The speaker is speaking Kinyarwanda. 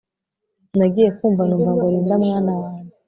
Nagiye kumva numva ngo Linda mwana wanjye